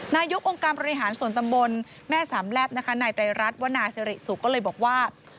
นายกองค์การบริหารส่วนตำบลแม่สามแลบนะคะนายไตรรัฐวนาสิริสุกก็เลยบอกว่า